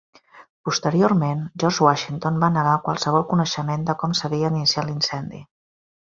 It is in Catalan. Posteriorment, George Washington va negar qualsevol coneixement de com s'havia iniciat l'incendi.